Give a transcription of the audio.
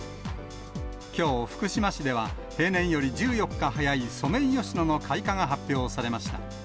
きょう、福島市では平年より１４日早いソメイヨシノの開花が発表されました。